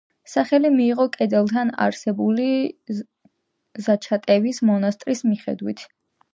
სახელი მიიღო კედელთან არსებული ზაჩატევის მონასტრის მიხედვით.